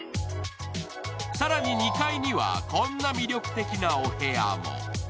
更に２階には、こんな魅力的なお部屋も。